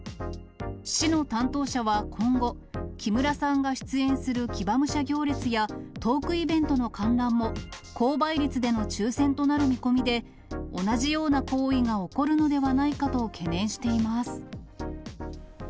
市の担当者は今後、木村さんが出演する騎馬武者行列や、トークイベントの観覧も高倍率での抽せんとなる見込みで、同じような行為が起こるのではないかと懸念しています。